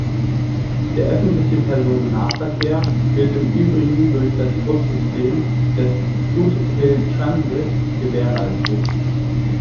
Der öffentlichem Personennahverkehr wird im übrigen durch das Bussystem des "Foothill Transit" gewährleistet.